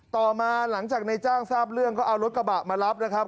ต่อมาหลังจากในจ้างทราบเรื่องก็เอารถกระบะมารับนะครับ